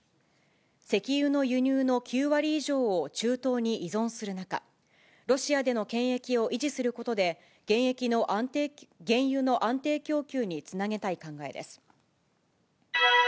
石油の輸入の９割以上を中東に依存する中、ロシアでの権益を維持することで、原油の安定供給につなげたい考えです。